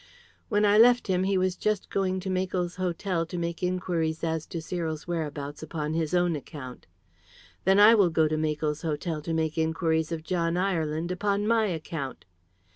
"When I left him he was just going to Makell's Hotel to make inquiries as to Cyril's whereabouts upon his own account." "Then I will go to Makell's Hotel to make inquiries of John Ireland upon my account."